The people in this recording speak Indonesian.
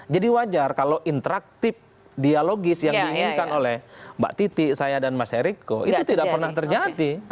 jadi wajar kalau interaktif dialogis yang diinginkan oleh mbak titi saya dan mas ericko itu tidak pernah terjadi